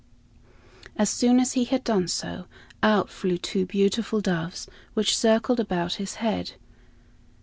As soon as he had done so, out flew two beautiful doves, which circled about his head.